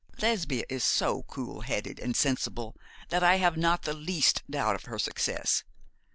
'Lesbia is so cool headed and sensible that I have not the least doubt of her success.